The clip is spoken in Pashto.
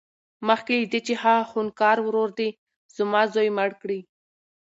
مخکې له دې چې هغه خونکار ورور دې زما زوى مړ کړي.